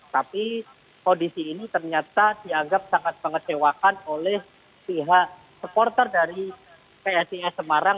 tapi kondisi ini ternyata dianggap sangat mengecewakan oleh pihak supporter dari psis semarang